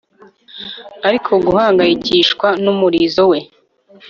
Ariko guhangayikishwa numurizo we